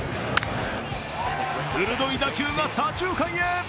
鋭い打球が左中間へ。